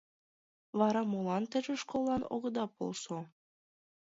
Вара молан теже школлан огыда полшо?